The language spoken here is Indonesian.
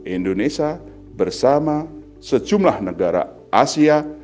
indonesia bersama sejumlah negara asia